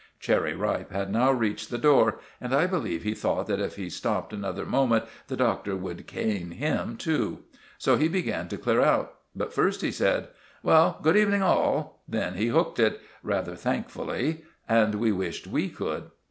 Cherry Ripe had now reached the door, and I believe he thought that if he stopped another moment the Doctor would cane him too. So he began to clear out. But first he said— "Well, good evening, all!" Then he hooked it—rather thankfully. And we wished we could.